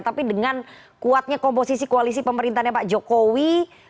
tapi dengan kuatnya komposisi koalisi pemerintahnya pak jokowi